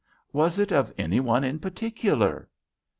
"Was it of any one in particular."